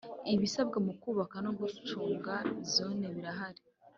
ibisabwa mu kubaka no gucunga Zone birahari.